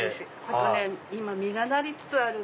あとね今実がなりつつある。